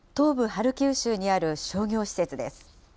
ハルキウ州にある商業施設です。